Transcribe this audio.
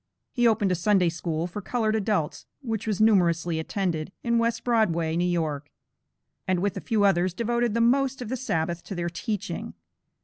He opened a Sunday school for colored adults, which was numerously attended, in West Broadway, New York, and with a few others, devoted the most of the Sabbath to their teaching.